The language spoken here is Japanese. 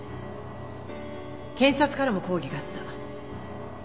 検察からも抗議があった。